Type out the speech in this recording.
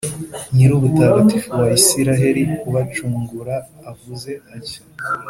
nyir’ubutagatifu wa israheli, ubacungura avuze atya :